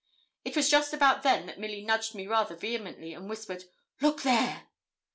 It was just about then that Milly nudged me rather vehemently, and whispered 'Look there!'